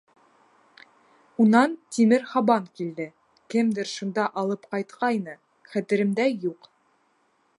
Унан тимер һабан килде, кемдер шунда алып ҡайтҡайны, хәтеремдә юҡ.